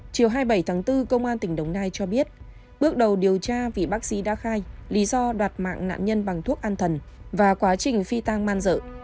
chiều hai mươi bảy tháng bốn công an tỉnh đồng nai cho biết bước đầu điều tra vì bác sĩ đã khai lý do đoạt mạng nạn nhân bằng thuốc an thần và quá trình phi tang man dợ